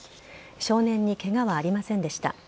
少年にケガはありませんでした。